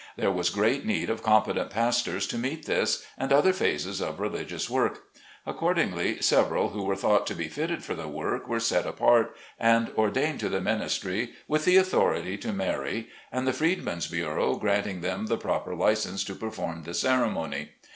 There was great need of competent pastors to meet this, and other phases of religious work. Accordingly, several who were RELIGIOUS CONDITION. 91 thought to be fitted for the work, were set apart and ordained to the ministry with the authority to marry, the Freedman's Bureau granting them the proper license to perform the ceremony.